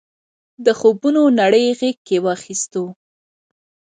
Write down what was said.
د خوبونو نړۍ غېږ کې واخیستو.